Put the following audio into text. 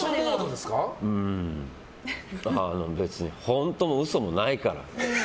いや、別に本当も嘘もないから。